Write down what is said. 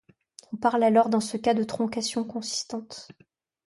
On parle alors dans ce cas de troncation consistante.